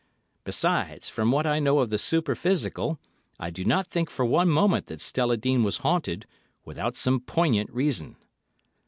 Besides, from what I know of the super physical I do not think for one moment that Stella Dean was haunted without some poignant reason."